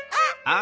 あ。